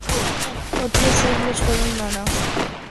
Otros rubros fueron: naranja, tomate, maíz y frijoles.